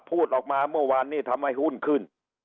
พูดออกมาเมื่อวานนี้ทำให้หุ้นขึ้น